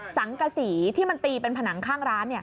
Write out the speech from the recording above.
สังกษีที่มันตีเป็นผนังข้างร้าน